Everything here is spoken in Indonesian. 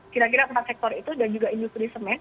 kira kira empat sektor itu dan juga industry cement